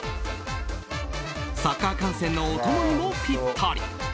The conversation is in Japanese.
サッカー観戦のお供にもピッタリ。